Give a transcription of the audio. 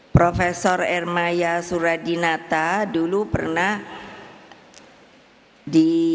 profesor hermaya suradinata dulu pernah di